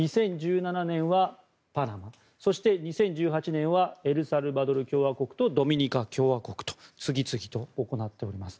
２０１７年はパナマそして２０１８年にはエルサルバドル共和国とドミニカ共和国が次々と行っております。